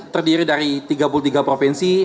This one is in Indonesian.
terdiri dari tiga puluh tiga provinsi